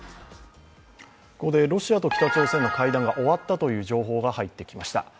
ここでロシアと北朝鮮の会談が終わったという情報が入ってきました。